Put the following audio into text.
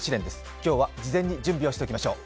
今日は事前に準備をしておきましょう。